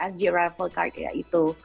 sg rifle card ya itu